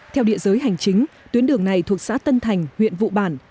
theo địa giới hành chính tuyến đường này thuộc xã tân thành huyện vụ bản